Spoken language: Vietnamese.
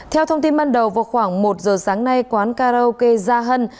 theo thông tin ban đầu vào khoảng một giờ sáng nay quán karaoke gia hân